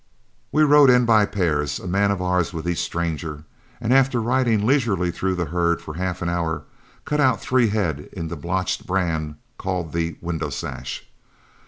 We rode in by pairs, a man of ours with each stranger, and after riding leisurely through the herd for half an hour, cut out three head in the blotched brand called the "Window Sash."